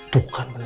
tuh kan bener